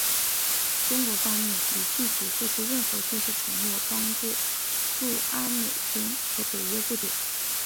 中国方面已拒绝做出任何军事承诺帮助驻阿美军和北约部队。